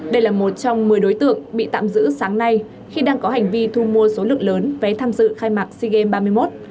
đây là một trong một mươi đối tượng bị tạm giữ sáng nay khi đang có hành vi thu mua số lượng lớn vé tham dự khai mạc sea games ba mươi một